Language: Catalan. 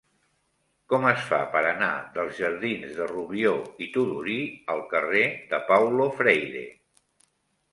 Com es fa per anar dels jardins de Rubió i Tudurí al carrer de Paulo Freire?